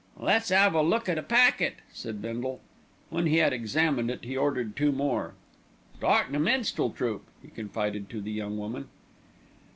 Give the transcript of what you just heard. "Let's 'ave a look at a packet," said Bindle. When he had examined it, he ordered two more. "Startin' a minstrel troupe," he confided to the young woman.